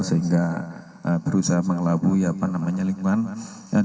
sehingga berusaha mengelabui lingkungan